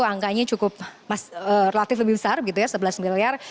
dana kampanye cukup relatif lebih besar gitu ya sebelas miliar